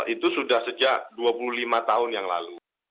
itu sudah sejak dua puluh lima tahun yang lalu